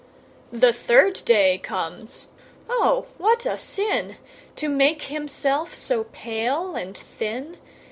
The third day comes: Oh what a sin! To make himself so pale and thin.